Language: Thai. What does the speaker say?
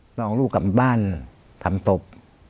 ต้องเอาลูกกลับบ้านทำตบ